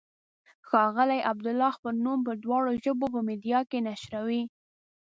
ښاغلی عبدالله خپل نوم په دواړو ژبو په میډیا کې نشروي.